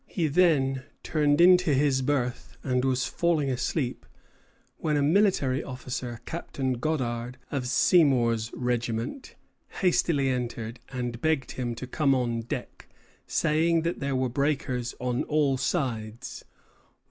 He then turned into his berth, and was falling asleep, when a military officer, Captain Goddard, of Seymour's regiment, hastily entered, and begged him to come on deck, saying that there were breakers on all sides.